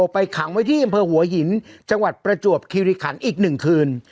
ไปขังไว้ที่อำเภอหัวหินจังหวัดประจวบคิริขันอีก๑คืน